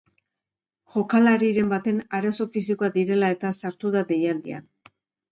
Jokalariren baten arazo fisikoak direla eta sartu da deialdian.